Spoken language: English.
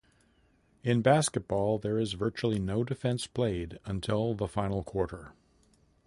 In basketball, there is virtually no defense played until the final quarter.